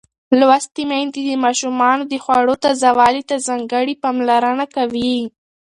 لوستې میندې د ماشومانو د خوړو تازه والي ته ځانګړې پاملرنه کوي.